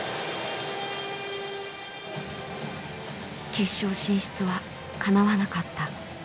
決勝進出は叶わなかった。